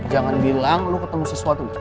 jangan bilang lo ketemu sesuatu